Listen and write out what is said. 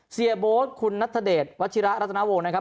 เซียโบ๊ตคุณนัตรเดชวัชิรารัฐนาวงศ์นะครับ